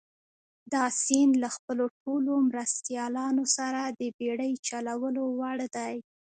دا سیند له خپلو ټولو مرستیالانو سره د بېړۍ چلولو وړ دي.